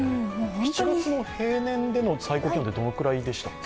７月の平年での最高気温はどのくらいでしたっけ。